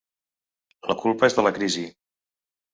La culpa és de la crisi.